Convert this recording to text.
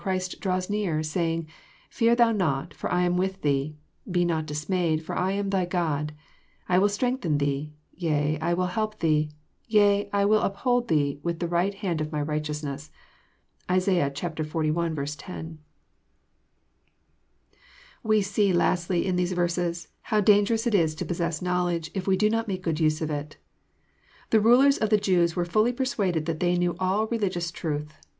Christ draws near, saying, '' P^'ear thou not, for I am with thee: be not dismayed, for I am thy God: I will strengthen thee : yea, I will help thee ; yea, I will nphold thee with the right hand of my righteoasness/' (Isai. xli 10.) We see, lastly, in these verses, how dangwouB it is to possess knowledge^ if we do not make a good itse of it. The rulers of the Jews were fully persuaded that they knew all religious truth.